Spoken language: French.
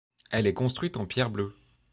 Elle est construite en pierre bleue.